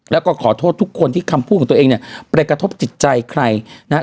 แล้วก็ขอโทษทุกคนที่คำพูดของตัวเองเนี่ยไปกระทบจิตใจใครนะฮะ